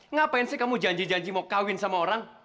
ngapain sih kamu janji janji mau kawin sama orang